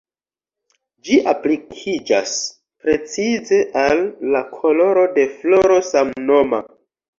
Ĝi aplikiĝas precize al la koloro de floro samnoma.